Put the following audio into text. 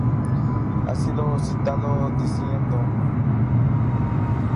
Ha sido citado diciendo